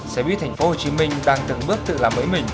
xe buýt tp hcm đang từng bước tự làm